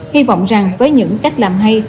hy vọng rằng với những cách làm hay